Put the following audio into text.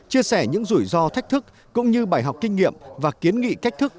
chia sẻ những rủi ro thách thức cũng như bài học kinh nghiệm và kiến nghị cách thức